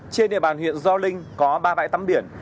trên địa bàn huyện gio linh có ba bãi tắm biển